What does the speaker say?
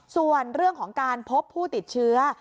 ส่วนเรื่องของการพบผู้ติดเชื้อ